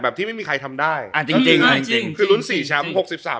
ผมทำได้ไหม